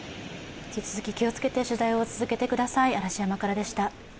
引き続き気をつけて取材を続けてください。